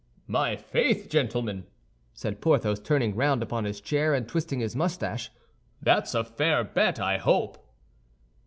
"My faith, gentlemen," said Porthos, turning round upon his chair and twisting his mustache, "that's a fair bet, I hope."